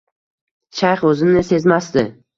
Shayx o`zini sezmasdi